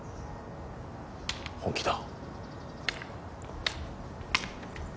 本気だ